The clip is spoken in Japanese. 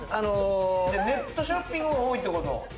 ネットショッピングが多いってこと？